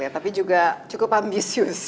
tapi juga cukup ambisius